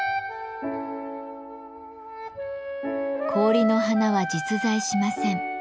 氷の花は実在しません。